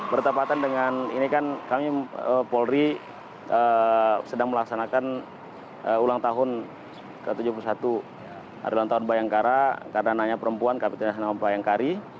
bertempatan dengan ini kan kami polri sedang melaksanakan ulang tahun ke tujuh puluh satu ulang tahun bayangkara karena nanya perempuan kami ternyata nama bayangkari